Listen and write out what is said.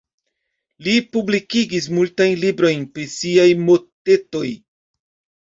Li publikigis multajn librojn pri siaj motetoj.